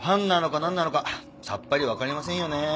んなのかさっぱりわかりませんよね。